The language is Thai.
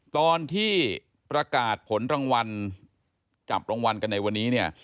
ตอนที่ประกาศผลรางวัลจับรางวัลกันในวันนี้เนี่ย